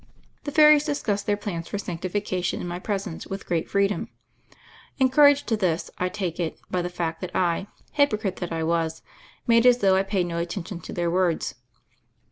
The fairies discussed their plans for sanctifi cation in my presence with great freedom, en couraged to this, I take it, by the fact that I — hypocrite that I was! — made as though I paid no attention to their words.